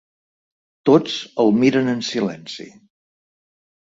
Tots el miren en silenci.